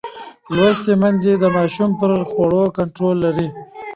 لوستې میندې د ماشوم پر خوړو کنټرول لري.